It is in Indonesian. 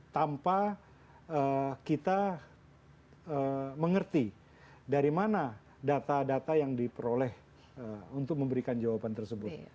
tanpa kita mengerti dari mana data data yang diperoleh untuk memberikan jawaban tersebut